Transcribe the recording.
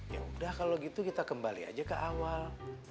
yaudah kalau gitu kita kembali aja ke awal